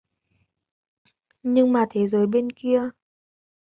Nhưng mà thế giới bên kia